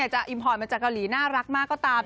อิมพอร์ตมาจากเกาหลีน่ารักมากก็ตาม